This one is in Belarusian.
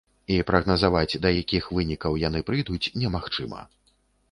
І прагназаваць, да якіх вынікаў яны прыйдуць, немагчыма.